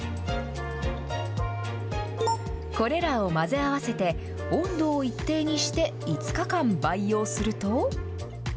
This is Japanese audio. これらを混ぜ合わせて、温度を一定にして５日間培養すると。